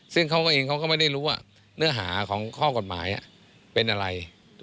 ซึ่งเขาก็เองเขาก็ไม่ได้รู้ว่าเนื้อหาของข้อกฎหมายเป็นอะไร